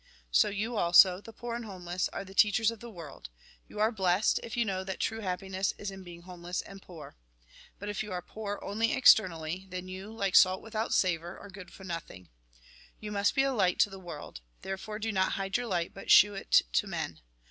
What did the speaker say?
So, you also, the poor and homeless, are the teachers of the world ; you are blessed, if you know that true happiness is in being homeless and poor. But if you are poor only externally, then you, like salt without savour, are good for nothing You must be a light to the world ; therefore do not hide your light, but shew it to men.